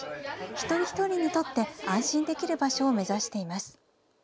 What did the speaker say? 一人一人にとって安心できる場所を目指しています。